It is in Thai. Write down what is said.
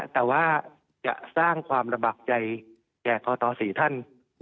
แต่จะสร้างความระบักใจแค่ข่อต่อ๔ท่าน